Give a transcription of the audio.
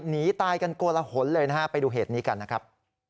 หนีตายกันโกลหนเลยนะฮะไปดูเหตุนี้กันนะครับ